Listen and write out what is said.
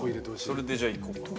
それでじゃあいこっかな。